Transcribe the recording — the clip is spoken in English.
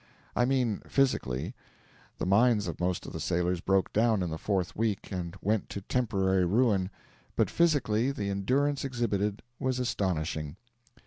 I mean, physically. The minds of most of the sailors broke down in the fourth week and went to temporary ruin, but physically the endurance exhibited was astonishing.